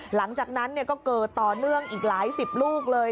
หลังจากนั้นก็เกิดต่อเนื่องอีกหลายสิบลูกเลย